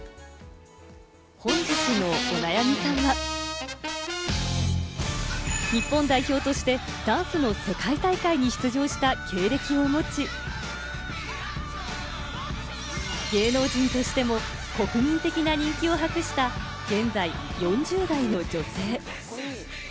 本日のお悩みさんは、日本代表としてダンスの世界大会に出場した経歴を持ち、芸能人としても国民的な人気を博した現在４０代の女性。